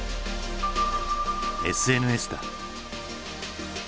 ＳＮＳだ。